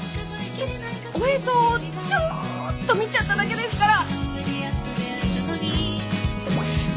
ちょっとおへそをちょっと見ちゃっただけですから。